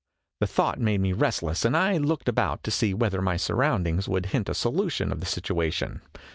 The thought made me rest less, and I looked about to see whether my surroundings would hint a solution of the situation.